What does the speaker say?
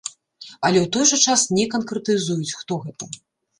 Але ў той жа час не канкрэтызуюць, хто гэта.